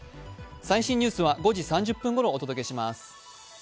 最新ニュースは５時３０分ごろお届けします。